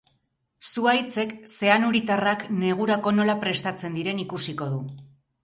Zuhaitzek zeanuritarrak negurako nola prestatzen diren ikusiko du.